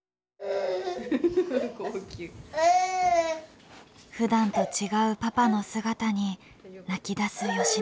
ふだんと違うパパの姿に泣きだす美乃ちゃん。